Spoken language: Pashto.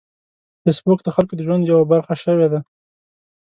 فېسبوک د خلکو د ژوند یوه برخه شوې ده